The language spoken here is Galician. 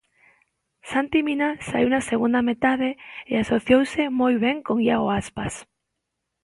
Santi Mina saíu na segunda metade e asociouse moi ben con Iago Aspas.